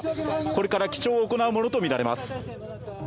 これから記帳を行うものとみられます。